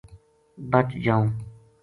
بچ جائوں